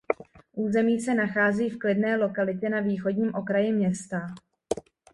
Území se nachází v klidné lokalitě na východním okraji města.